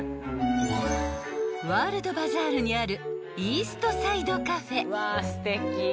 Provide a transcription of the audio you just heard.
［ワールドバザールにある］